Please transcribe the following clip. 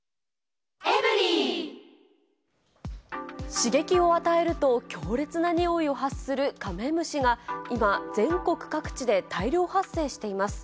刺激を与えると、強烈な臭いを発するカメムシが、今、全国各地で大量発生しています。